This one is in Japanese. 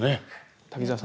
滝沢さん。